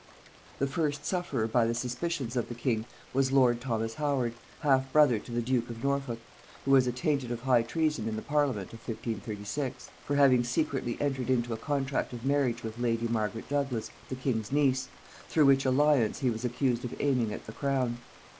The first sufferer by the suspicions of the king was lord Thomas Howard, half brother to the duke of Norfolk, who was attainted of high treason in the parliament of 1536, for having secretly entered into a contract of marriage with lady Margaret Douglas, the king's niece, through which alliance he was accused of aiming at the crown.